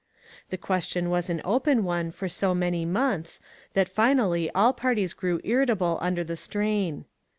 The question was an open one for so many 438 ONE COMMONPLACE DAY. months, that finally all parties grew irrita ble under the strain.